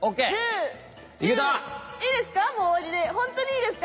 いいですか？